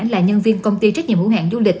là nhân viên công ty trách nhiệm hữu hạng du lịch